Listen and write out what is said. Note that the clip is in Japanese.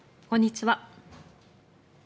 こんにちは。